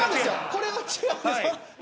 これは違うんです。